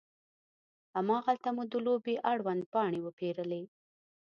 هماغلته مو د لوبې اړوند پاڼې وپیرلې.